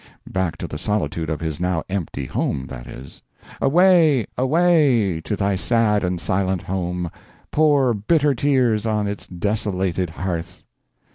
Back to the solitude of his now empty home, that is! "Away! away! to thy sad and silent home; Pour bitter tears on its desolated hearth."